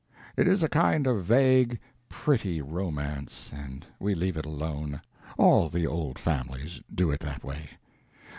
It is a kind of vague, pretty romance, and we leave it alone. All the old families do that way.